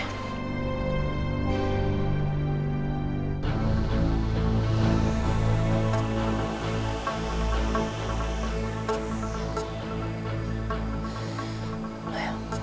aku mau menikah